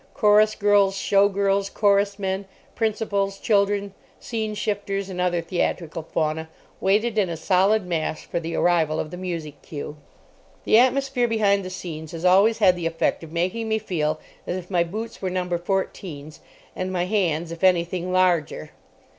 Chorus girls, show girls, chorus men, principals, children, scene shifters, and other theatrical fauna waited in a solid mass for the arrival of the music cue. The atmosphere behind the scenes has always had the effect of making me feel as if my boots were number fourteens and my hands, if anything, larger.